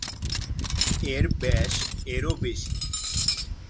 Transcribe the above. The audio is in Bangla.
এর ব্যাস -এরও বেশি।